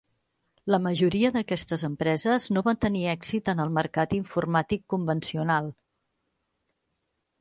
La majoria d"aquestes empreses no va tenir èxit en el mercat informàtic convencional.